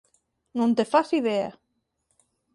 Non te fas idea.